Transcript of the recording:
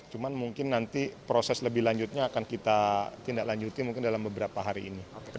cuma mungkin nanti proses lebih lanjutnya akan kita tindak lanjuti mungkin dalam beberapa hari ini